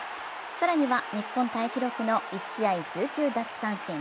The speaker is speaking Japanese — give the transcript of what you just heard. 更には、日本タイ記録の１試合１９奪三振。